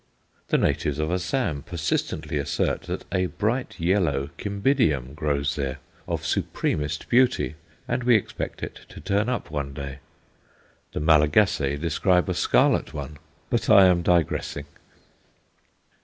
The natives of Assam persistently assert that a bright yellow Cymbidium grows there, of supremest beauty, and we expect it to turn up one day; the Malagasy describe a scarlet one. But I am digressing.